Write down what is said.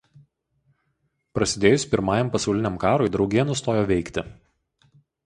Prasidėjus Pirmajam pasauliniam karui draugija nustojo veikti.